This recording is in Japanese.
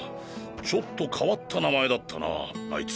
ちょっと変わった名前だったなあいつ。